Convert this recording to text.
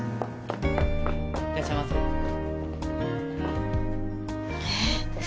いらっしゃいませえ